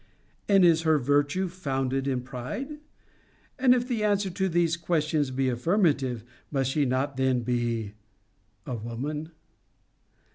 And is her virtue founded in pride? And, if the answer to these questions be affirmative, must she not then be a woman?'